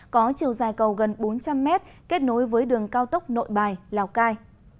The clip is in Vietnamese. có chiều dài cầu gần bốn trăm linh m kết nối với đường cao tốc nội bài lào cai